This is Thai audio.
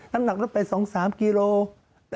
น้ำหนักลดไป๒๓กิโลกรัม